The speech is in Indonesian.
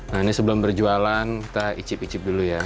nah ini sebelum berjualan kita icip icip dulu ya